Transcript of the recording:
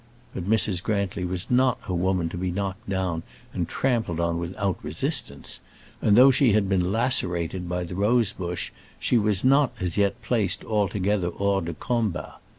But Mrs. Grantly was not a woman to be knocked down and trampled on without resistance; and though she had been lacerated by the rosebush she was not as yet placed altogether hors de combat.